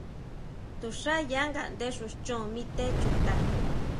To xá ya ngaʼnde xú chon mi té chuta.